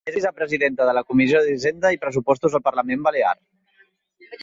És vicepresidenta de la Comissió d'Hisenda i Pressuposts al Parlament Balear.